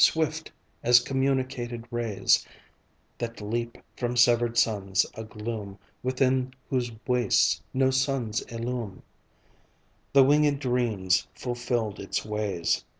Swift as communicated rays That leap from severed suns a gloom Within whose waste no suns illume, The wingèd dream fulfilled its ways.